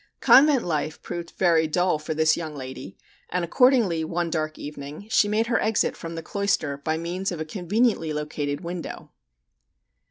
Convent life proved very dull for this young lady, and accordingly one dark evening, she made her exit from the cloister by means of a conveniently located window.